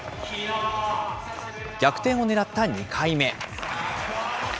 逆転をねらった２回目。